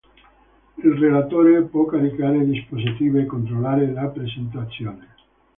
Il relatore può caricare diapositive e controllare la presentazione.